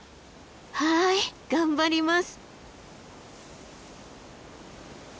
はい頑張ります。